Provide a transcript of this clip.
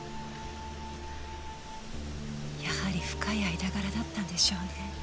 やはり深い間柄だったんでしょうね